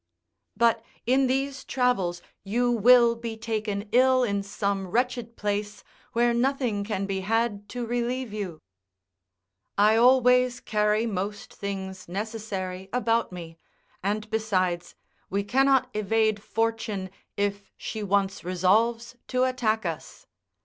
"But, in these travels, you will be taken ill in some wretched place, where nothing can be had to relieve you." I always carry most things necessary about me; and besides, we cannot evade Fortune if she once resolves to attack us.